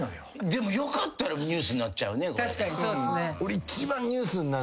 でもよかったらニュースになっちゃうね。